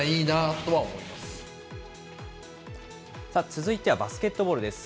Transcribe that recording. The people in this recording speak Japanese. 続いてはバスケットボールです。